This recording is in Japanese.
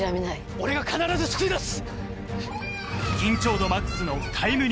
俺が必ず救い出す！